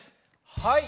はい。